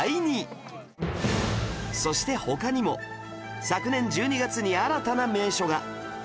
そして他にも昨年１２月に新たな名所が